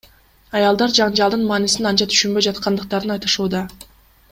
Аялдар жаңжалдын маанисин анча түшүнбөй жаткандыктарын айтышууда.